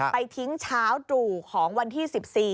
ไปทิ้งเช้าตรู่ของวันที่๑๔